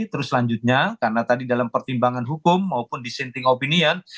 terus selanjutnya karena tadi dalam pertimbangan hukum maupun dissenting opinion